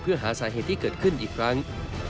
เพื่อหาสาเหตุที่เกิดขึ้นอีกครั้ง